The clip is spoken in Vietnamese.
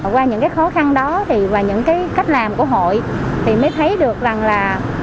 qua những cái khó khăn đó thì và những cái cách làm của hội thì mới thấy được rằng là